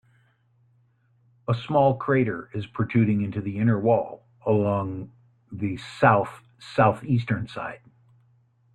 A small crater is protruding into the inner wall along the south-southeastern side.